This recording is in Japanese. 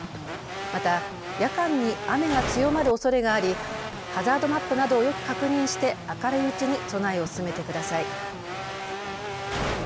また、夜間に雨が強まるおそれがあり、ハザードマップなどをよく確認して明るいうちに備えを進めてください。